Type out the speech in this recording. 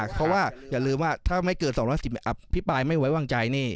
เพราะว่าอย่าลืมว่าถ้าไม่เกิน๒๑๐อภิปรายไม่ไว้วางใจนี่